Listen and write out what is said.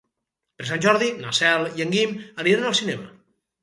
Per Sant Jordi na Cel i en Guim aniran al cinema.